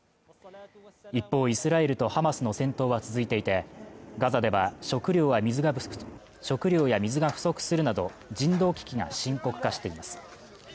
一方イスラエルとハマスの戦闘は続いていてガザでは食料や水が不足するなど人道危機が深刻化しています